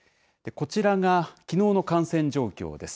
こちらがきのうの感染状況です。